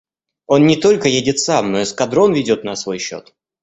Он не только едет сам, но эскадрон ведет на свой счет.